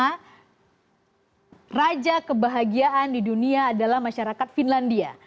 karena raja kebahagiaan di dunia adalah masyarakat finlandia